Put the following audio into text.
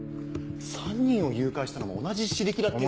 ３人を誘拐したのも同じシリキラっていう。